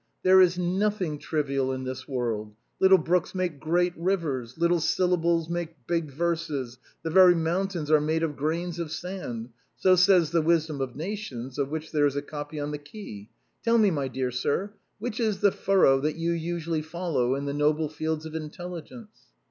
"There is nothing trivial in this world; little brooks make great rivers ; little syllables make big verses ; the very mountains are made of grains of sand — so says ' The Wis dom of Nations,' of which there is a copy on the quay — tell me, my dear sir, which is the furrow that you usually follow in the noble fields of intelligence?"